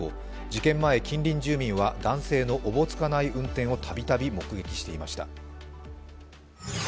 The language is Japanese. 事件前、近隣住民は、男性のおぼつかない運転を度々目撃していました。